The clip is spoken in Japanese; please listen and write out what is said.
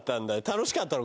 楽しかった！